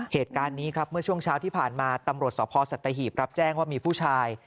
เหตุการณ์นี้ครับเมื่อช่วงเช้าที่ผ่านมาตำรวจสพสัตหีบรับแจ้งว่ามีผู้ชาย